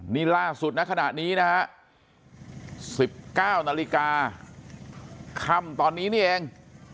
นี่ล่าสุดนะขณะนี้นะฮะ๑๙นาฬิกาค่ำตอนนี้นี่เอง